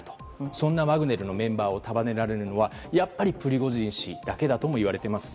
そんなワグネルのメンバーを束ねられるのはやっぱりプリゴジン氏だけだともいわれています。